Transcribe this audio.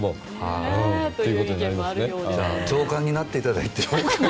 長官になっていただいて。